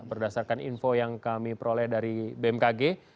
berdasarkan info yang kami peroleh dari bmkg